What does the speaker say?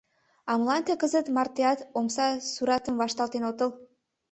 А молан тый кызыт мартенат омса суратым вашталтен отыл?